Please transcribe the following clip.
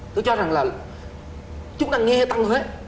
tôi cho rằng là chúng ta nghe tăng thuế